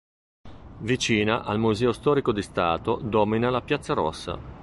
Vicina al Museo Storico di Stato, domina la Piazza Rossa.